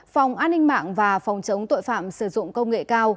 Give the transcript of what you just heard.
phòng an ninh mạng và phòng chống tội phạm sử dụng công nghệ cao